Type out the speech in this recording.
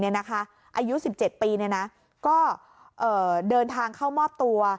อายุ๑๗ปีก็เดินทางเข้ามอบตัว